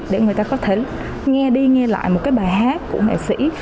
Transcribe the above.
để người ta có thể nghe đi nghe lại một cái bài hát của nghệ sĩ